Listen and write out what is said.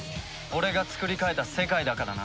俺がつくり変えた世界だからな。